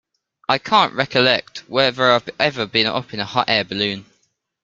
I can't recollect whether I've ever been up in a hot air balloon.